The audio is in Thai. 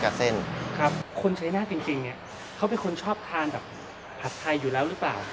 เส้นครับคนชัยนาธิจริงเนี่ยเขาเป็นคนชอบทานแบบผัดไทยอยู่แล้วหรือเปล่า